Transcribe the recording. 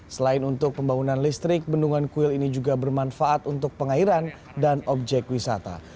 selain untuk pembangunan listrik bendungan kuil ini juga bermanfaat untuk pengairan dan objek wisata